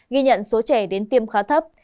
ghi nhận số trẻ đến tiêm khá thấp